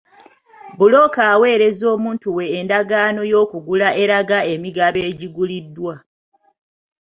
Bbulooka aweereza omuntu we endagaano y'okugula eraga emigabo egiguliddwa.